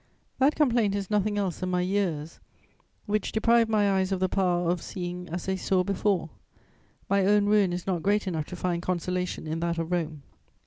That complaint is nothing else than my years, which deprive my eyes of the power of seeing as they saw before: my own ruin is not great enough to find consolation in that of Rome.